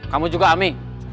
kamu juga ami